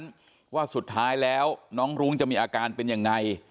ว่าสุดท้ายแล้วน้องรุ้งจะมีอาการเป็นยังไง